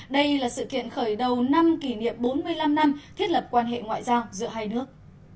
đây là sự kiện khởi đầu năm kỷ niệm bốn mươi năm năm thiết lập quan hệ ngoại giao giữa hai nước